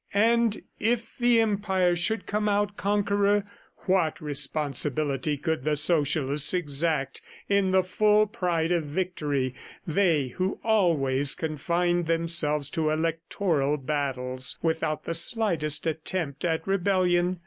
... And if the Empire should come out conqueror, what responsibility could the Socialists exact in the full pride of victory, they who always confined themselves to electoral battles, without the slightest attempt at rebellion?